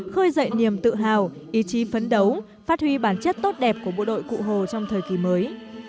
khơi dậy niềm tự hào ý chí phấn đấu phát huy bản chất tốt đẹp của bộ đội cụ hồ trong thời kỳ mới